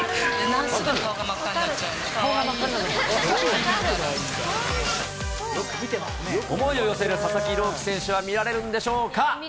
すぐに顔が真っ赤になっちゃうの思いを寄せる佐々木朗希選手は見られるんでしょうか。